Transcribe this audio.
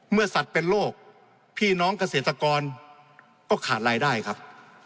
สัตว์เป็นโรคพี่น้องเกษตรกรก็ขาดรายได้ครับ